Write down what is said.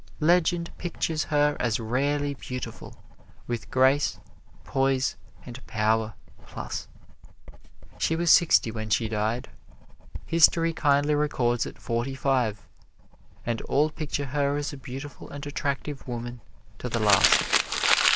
Legend pictures her as rarely beautiful, with grace, poise and power, plus. She was sixty when she died. History kindly records it forty five and all picture her as a beautiful and attractive woman to the last.